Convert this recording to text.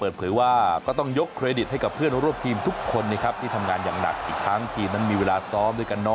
เรายินดีที่จะทำงานร่วมกัน